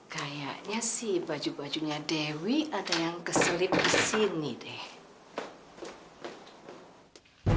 kayaknya si baju bajunya dewi ada yang keselip disini deh